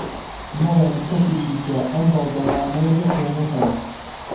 مەهێڵن کەسی دیکە ئەم بەڵگەنامەیە بخوێنێتەوە.